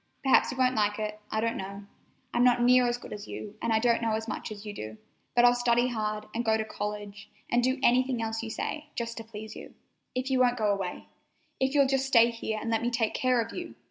Perhaps you won't like it—I don't know. I'm not near as good as you, and I don't know as much as you do, but I'll study hard, and go to college, and do anything else you say, just to please you. If you only won't go away. If you'll just stay here and let me take care of you!